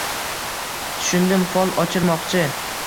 Tushundim, fol ochirmoqchi.